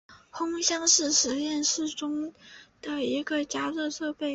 烘箱是实验室中的一种加热设备。